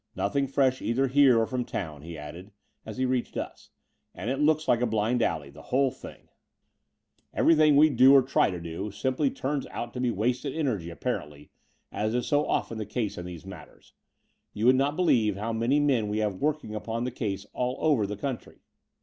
Nothing fresh either here or from town," he added, as he reached us; "and it looks like a blind alley, the whole thing. 92 The Door of the Unreal Everj^hing we do or try to do simply ttims out to be wasted energy apparently, as is so often the case in these matters. You would not believe how many men we have working upon the case all over the country."